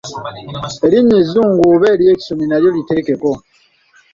Erinnya ezzungu oba ery’ekisomi nalyo liteekeko.